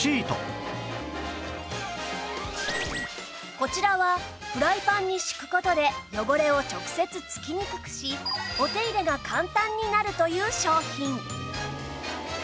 こちらはフライパンに敷く事で汚れを直接つきにくくしお手入れが簡単になるという商品